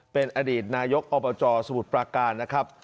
เป็นอดีตนายกอบจสมุทรปราการนะครับ